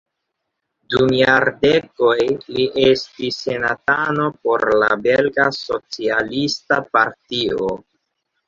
Dum jardekoj li estis senatano por la belga socialista partio.